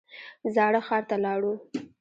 زاړه ښار ته لاړو.